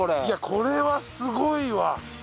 いやこれはすごいわ。